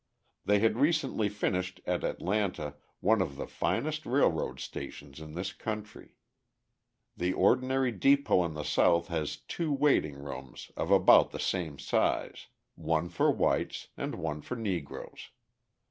They had recently finished at Atlanta one of the finest railroad stations in this country. The ordinary depot in the South has two waiting rooms of about the same size, one for whites and one for Negroes.